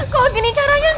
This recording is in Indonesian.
kalau gini caranya